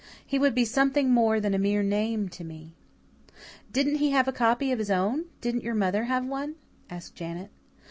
He would be something more than a mere name to me." "Didn't he have a copy of his own didn't your mother have one?" asked Janet.